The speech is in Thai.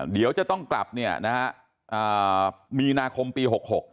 เดี๋ยวจะต้องกลับมีนาคมปี๖๖